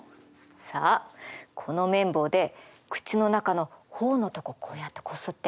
さあこの綿棒で口の中の頬のとここうやってこすって。